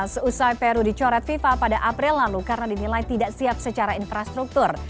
seusai peru dicoret fifa pada april lalu karena dinilai tidak siap secara infrastruktur